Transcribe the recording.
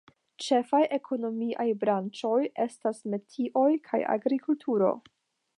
Ĉefaj ekonomiaj branĉoj estas metioj kaj agrikulturo.